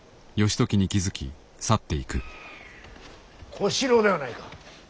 小四郎ではないか。